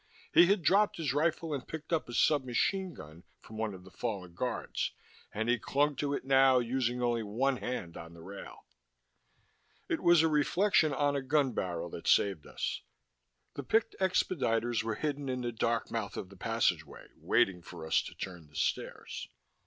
He had dropped his rifle and picked up a sub machine gun from one of the fallen guards, and he clung to it now, using only one hand on the rail. It was a reflection on a gun barrel that saved us. The picked expediters were hidden in the dark mouth of the passageway, waiting for us to turn the stairs.